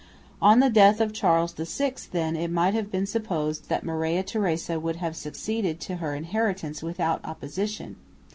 On the death of Charles VI, then, it might have been supposed that Maria Theresa would have succeeded to her inheritance without opposition.